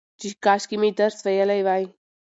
چې کاشکي مې درس ويلى وى